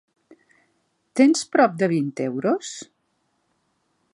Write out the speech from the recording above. Tens prop de vint euros?